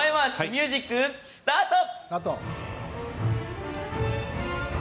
ミュージックスタート！